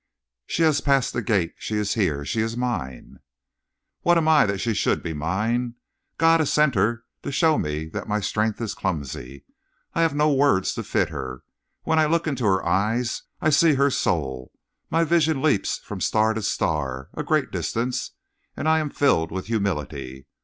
"She has passed the gate. She is here. She is mine! "What am I that she should be mine? God has sent her to show me that my strength is clumsy. I have no words to fit her. When I look into her eyes I see her soul; my vision leaps from star to star, a great distance, and I am filled with humility.